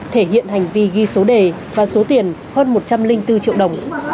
thể hiện hành vi ghi số đề và số tiền hơn một trăm linh bốn triệu đồng